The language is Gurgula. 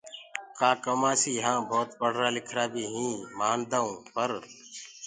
ڪآ ڪمآسيٚ هآن ڀوت پڙهرآ لکرآ بيٚ هينٚ مآندآئو پر